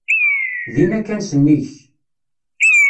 Dinna kan sennig-k.